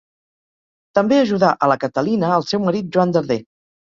També ajudà a la Catalina el seu marit Joan Darder.